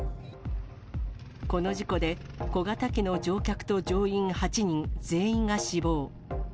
この事故で小型機の乗客と乗員８人全員が死亡。